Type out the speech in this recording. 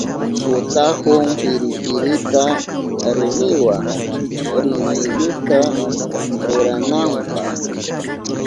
Kutahun piripirita rumiwa rimilluta rurananpa.